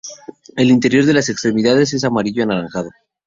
El interior de las extremidades es amarillo anaranjado.